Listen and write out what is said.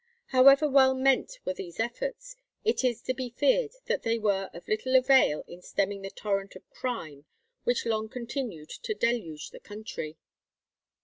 However well meant were these efforts, it is to be feared that they were of little avail in stemming the torrent of crime which long continued to deluge the country.